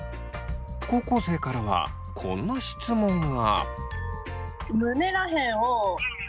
高校生からはこんな質問が。